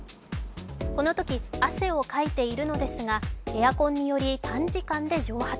このとき汗をかいているのですが、エアコンにより短時間で蒸発。